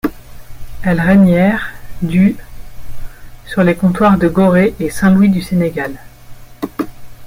Elles régnèrent du sur les comptoirs de Gorée et Saint-Louis du Sénégal.